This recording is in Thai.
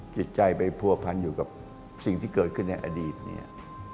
จิตใจไปผัวพันอยู่กับสิ่งที่เกิดขึ้นในอดีตเนี่ย